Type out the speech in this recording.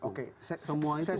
oke saya sibukkan sedikit